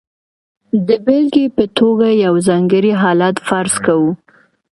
د بېلګې په توګه یو ځانګړی حالت فرض کوو.